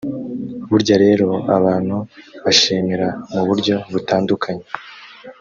burya rero abantu bashimira mu buryo butandukanye